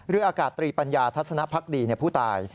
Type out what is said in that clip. อากาศตรีปัญญาทัศนภักดีผู้ตาย